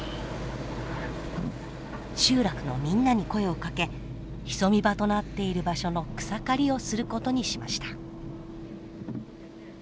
集落のみんなに声をかけ潜み場となっている場所の草刈りをすることにしました。